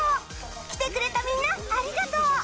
来てくれたみんなありがとう！